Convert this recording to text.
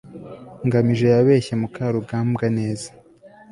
ngamije yabeshye mukarugambwa neza